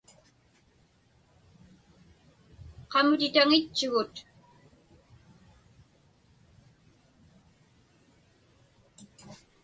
Qamutitaŋitchugut.